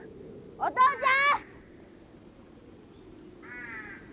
お父ちゃん！